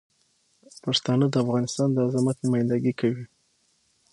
پښتانه د افغانستان د عظمت نمایندګي کوي.